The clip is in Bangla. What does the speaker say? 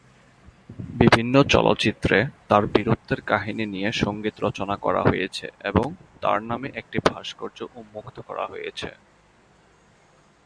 বিভিন্ন চলচ্চিত্রে তার বীরত্বের কাহিনী নিয়ে সঙ্গীত রচনা করা হয়েছে এবং তার নামে একটি ভাস্কর্য উন্মুক্ত করা হয়েছে।